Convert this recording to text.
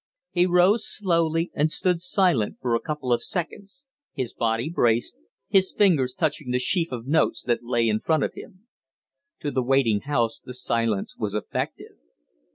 He rose slowly and stood silent for a couple of seconds, his body braced, his fingers touching the sheaf of notes that lay in front of him. To the waiting House the silence was effective.